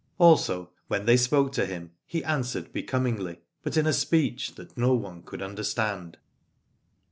Also when they spoke to him he answered becomingly, but in a speech that no one could understand.